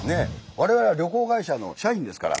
我々は旅行会社の社員ですから。